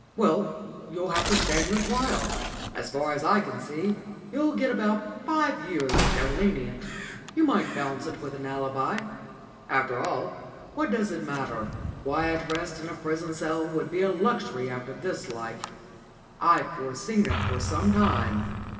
"Well, you'll have to stand your trial. As far as I can see, you'll get about five years if they're lenient. You might bounce it with an alibi. After all, what does it matter? Quiet rest in a prison cell would be luxury after this life. I've foreseen it for some time.